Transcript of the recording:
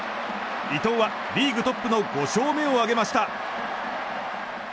伊藤はリーグトップの５勝目を挙げました。